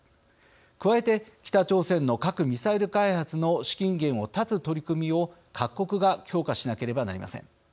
加えて、北朝鮮の核・ミサイル開発の資金源を絶つ取り組みを各国が強化しなければなりません。